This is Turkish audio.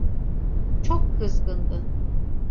Çok kızgındı.